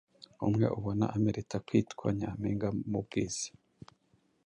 Umwe ubona amerita kwitwa nyampinga mu bwiza